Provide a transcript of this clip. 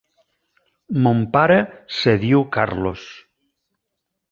Mon pare se diu Carlos.